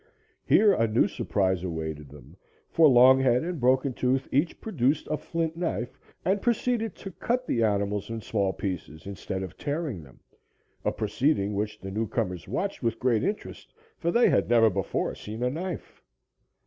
Here a new surprise awaited them, for Longhead and Broken Tooth each produced a flint knife and proceeded to cut the animals in small pieces instead of tearing them, a proceeding which the new comers watched with great interest, for they had never before seen a knife.